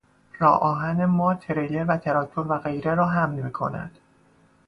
راه آهن ما تریلر و تراکتور و غیره را حمل میکند.